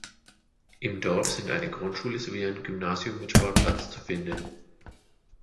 Im Dorf sind eine Grundschule sowie ein Gymnasium mit Sportplatz zu finden.